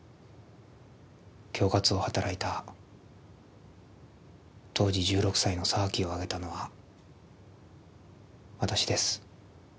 恐喝を働いた当時１６歳の沢木を挙げたのは私です。